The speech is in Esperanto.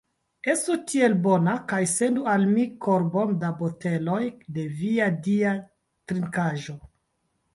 Estu tiel bona kaj sendu al mi korbon da boteloj de via dia trinkaĵo.